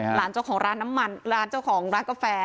หลานเจ้าของร้านน้ำมันหลานเจ้าของร้านกาแฟ